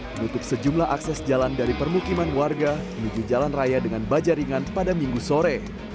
menutup sejumlah akses jalan dari permukiman warga menuju jalan raya dengan bajaringan pada minggu sore